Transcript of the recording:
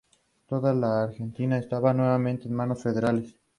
Toda la Argentina estaba nuevamente en manos federales.